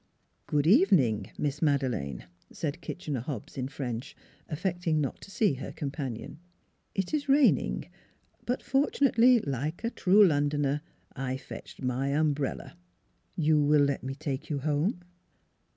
" Good evening, Miss Madeleine," said Kitchener Hobbs in French, affecting not to see her companion. " It is raining; but fortunately, like a true Londoner, I fetched my umbrella. ... You will let me take you home